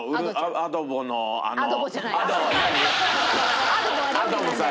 アドボさん？